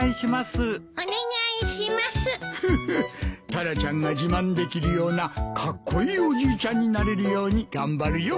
タラちゃんが自慢できるようなカッコイイおじいちゃんになれるように頑張るよ。